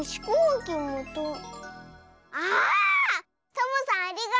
サボさんありがとう。